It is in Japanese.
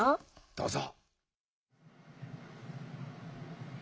どうぞ。